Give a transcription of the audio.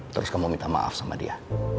terus kamu minta maaf sama dia